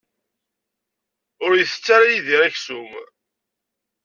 Ur itett ara Yidir aksum.